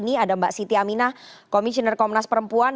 pada sore hari ini ada mbak siti aminah komisioner komnas perempuan